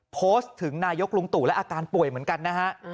โพสต์ถึงนายกลุงตู่และอาการป่วยเหมือนกันนะฮะ